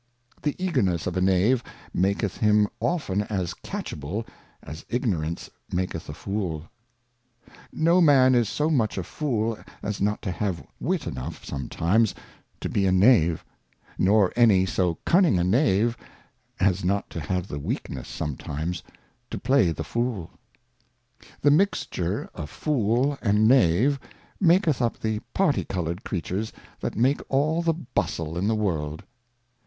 The Eagerness of a Knave maketh him often as catchable, as Ignorance maketh a Fool. No Man is so much a Fool as not to have Wit enough some times Moral Thoughts and Reflections. 233 times to be a Knave ; nor any so cunning a Knave^ as not to liave the Weakness sometimes to play the Fool, The Mixture of Fool and Knave, maketh up the parti coloured Creatures that make all the Bustle in the World.